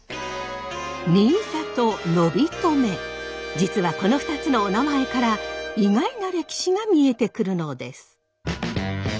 実はこの２つのおなまえから意外な歴史が見えてくるのです。